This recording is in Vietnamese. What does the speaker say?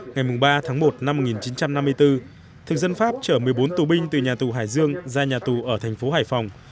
ngày ba tháng một năm một nghìn chín trăm năm mươi bốn thực dân pháp chở một mươi bốn tù binh từ nhà tù hải dương ra nhà tù ở thành phố hải phòng